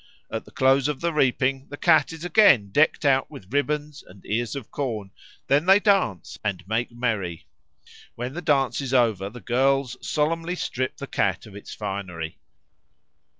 At the close of the reaping the cat is again decked out with ribbons and ears of corn; then they dance and make merry. When the dance is over the girls solemnly strip the cat of its finery.